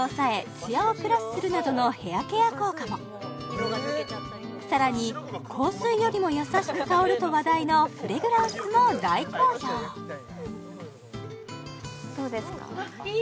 ツヤをプラスするなどのヘアケア効果もさらに香水よりも優しく香ると話題のフレグランスも大好評どうですか？